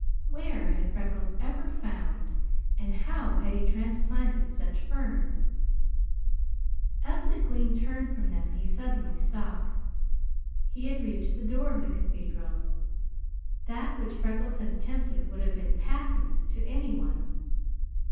Where had Freckles ever found, and how had he transplanted such ferns? As McLean turned from them he stopped suddenly. He had reached the door of the cathedral. That which Freckles had attempted would have been patent to anyone.